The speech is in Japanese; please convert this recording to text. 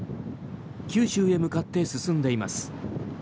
九州へ向かって進んでいます。